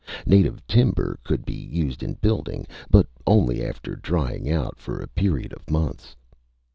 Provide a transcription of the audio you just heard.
Native timber could be used in building, but only after drying out for a period of months.